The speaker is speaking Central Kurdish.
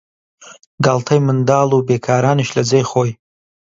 گاڵتەی منداڵ و بیکارانیش لە جێی خۆی